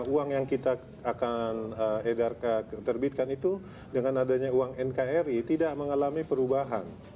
uang yang kita akan terbitkan itu dengan adanya uang nkri tidak mengalami perubahan